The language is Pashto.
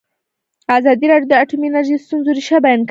ازادي راډیو د اټومي انرژي د ستونزو رېښه بیان کړې.